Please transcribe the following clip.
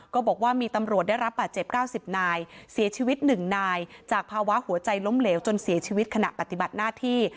ก็บอกว่ามีตำรวจได้รับบาดเจ็บ๙๐นายเสียชีวิต๑นายจากภาวะหัวใจล้มเหลวจนเสียชีวิตขณะปฏิบัติหน้าที่